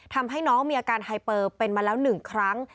ทำให้น้องมีอาการไฮเปอร์เป็นมาแล้ว๑ครั้ง